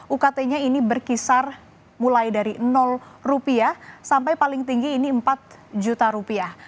ukt nya ini berkisar mulai dari rupiah sampai paling tinggi ini empat juta rupiah